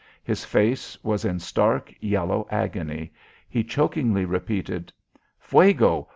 His face was in stark yellow agony; he chokingly repeated: "Fuego!